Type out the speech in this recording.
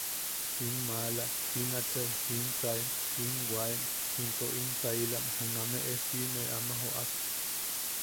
In maala, in achai, in saim, in waaim, into in sailam junameʼe siʼime ama joʼak.